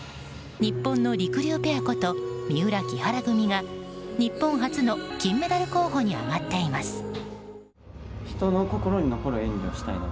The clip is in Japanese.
日本のりくりゅうペアこと三浦、木原組が日本初の金メダル候補に挙がっています。